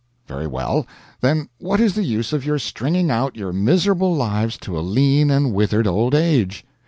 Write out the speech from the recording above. Very well, then what is the use of your stringing out your miserable lives to a lean and withered old age?